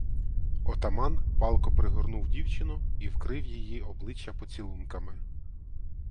Отаман палко пригорнув дівчину і вкрив її обличчя поцілунками.